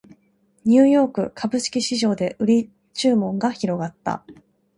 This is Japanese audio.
ニューヨーク株式市場で売り注文が広がった